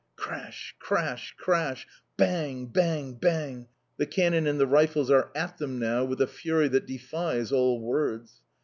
Crash! crash! crash! Bang! bang! bang! The cannon and the rifles are at them now with a fury that defies all words.